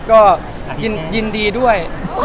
ก็ยินดีด้วย